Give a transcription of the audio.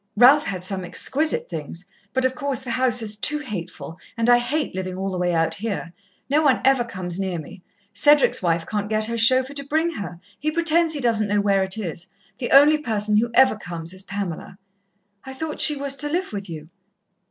Ralph had some exquisite things but, of course, the house is too hateful, and I hate living all the way out here. No one ever comes near me. Cedric's wife can't get her chauffeur to bring her he pretends he doesn't know where it is. The only person who ever comes is Pamela." "I thought she was to live with you?"